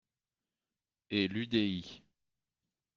Et l’UDI